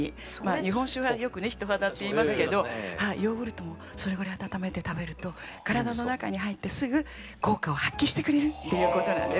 日本酒はよくね人肌っていいますけどヨーグルトもそれぐらい温めて食べると体の中に入ってすぐ効果を発揮してくれるっていうことなんです。